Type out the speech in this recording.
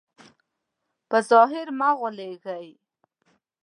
په ظاهر مه غولېږئ.